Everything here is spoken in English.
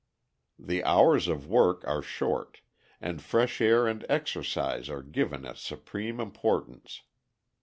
The hours of work are short, and fresh air and exercise are given a supreme importance.